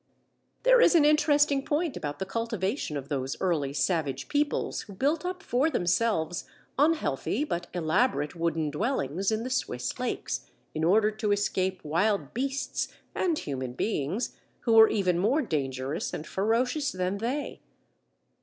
There is an interesting point about the cultivation of those early savage peoples who built up for themselves unhealthy but elaborate wooden dwellings in the Swiss lakes, in order to escape wild beasts and human beings who were even more dangerous and ferocious than they.